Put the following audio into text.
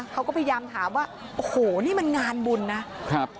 เขาก็พยายามถามว่าโอ้โหนี่มันงานบุญนะครับ